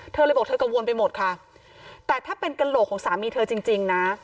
เธอเลยบอกเธอกังวลไปหมดค่ะแต่ถ้าเป็นกระโหลกของสามีเธอจริงจริงนะ